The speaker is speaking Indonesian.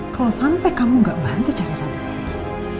kalau sampai kamu gak bantu cari ranah lagi